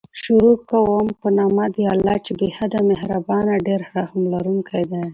شروع کوم په نوم د الله چې بې حده مهربان ډير رحم لرونکی دی